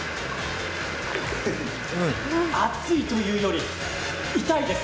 熱いというより痛いです。